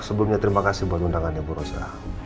sebelumnya terima kasih buat undangannya bu rosa